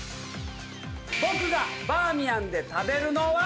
僕がバーミヤンで食べるのは。